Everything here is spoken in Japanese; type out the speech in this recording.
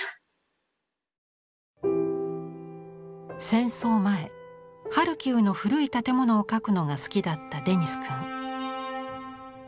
戦争前ハルキウの古い建物を描くのが好きだったデニス君。